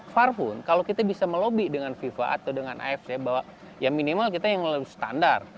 var pun kalau kita bisa melobi dengan fifa atau dengan afc bahwa ya minimal kita yang melalui standar